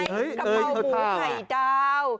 กะเพราหมูไข่เต้า